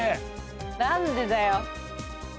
何でだよ。